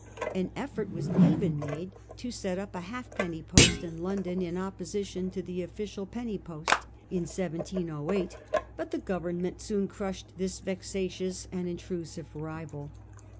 An effort was even made to set up a halfpenny post in London, in opposition to the official penny post, in 1708 ; but the Government soon crushed this vexatious and intrusive rival.